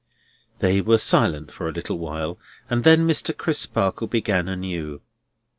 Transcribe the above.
They were silent for a little while, and then Mr. Crisparkle began anew.